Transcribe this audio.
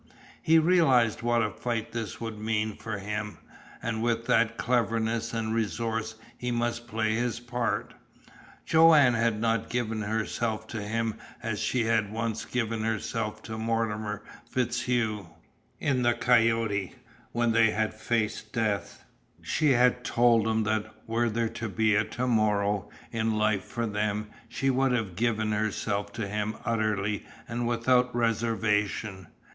He realized what a fight this would mean for him, and with what cleverness and resource he must play his part. Joanne had not given herself to him as she had once given herself to Mortimer FitzHugh. In the "coyote," when they had faced death, she had told him that were there to be a to morrow in life for them she would have given herself to him utterly and without reservation.